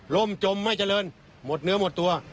่มจมไม่เจริญหมดเนื้อหมดตัว